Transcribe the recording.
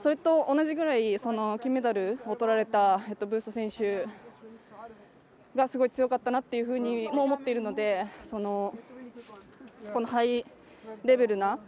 それと同じくらい、金メダルを取られたビュスト選手はすごい強かったなっていうふうに思っているので、ハイレベルな。